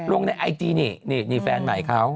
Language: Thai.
ลงในไอจีนี่นี่แฟนใหม่เขา